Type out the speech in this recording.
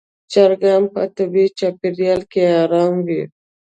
چرګان په طبیعي چاپېریال کې آرام وي.